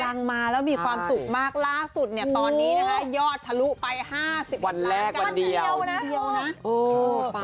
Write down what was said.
พลังมาแล้วมีความสุขมากล่าสุดเนี่ยตอนนี้ยอดทะลุไป๕๐วันแรกวันเดียว